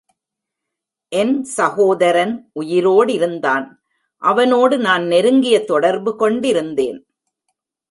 என் சகோதரன் உயிரோடிருந்தான் அவனோடு நான் நெருங்கிய தொடர்பு கொண்டிருந்தேன்.